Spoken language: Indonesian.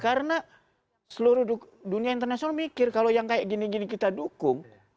karena seluruh dunia internasional mikir kalau yang kayak gini gini kita dukung